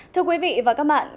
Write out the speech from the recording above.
thưa quý vị và các bạn